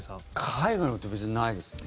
海外の予定別にないですね。